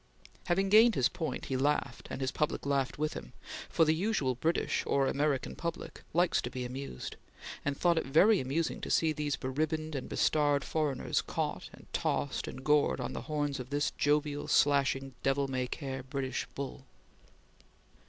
Having gained his point, he laughed, and his public laughed with him, for the usual British or American public likes to be amused, and thought it very amusing to see these beribboned and bestarred foreigners caught and tossed and gored on the horns of this jovial, slashing, devil may care British bull.